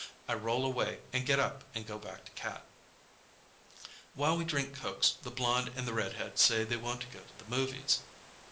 I roll away and get up and go back to Cat. While we drink cokes the blonde and the redhead say they want to go to the movies.